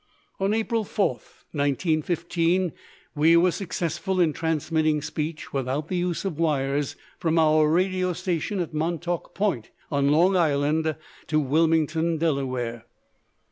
On April 4, 1915, we were successful in transmitting speech without the use of wires from our radio station at Montauk Point on Long Island to Wilmington, Delaware.